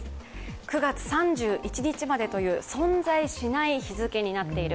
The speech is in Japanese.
９月３１日までという存在しない日付になっている。